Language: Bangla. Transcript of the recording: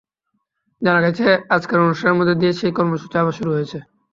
জানা গেছে, আজকের অনুষ্ঠানের মধ্য দিয়ে সেই কর্মসূচি আবার শুরু হচ্ছে।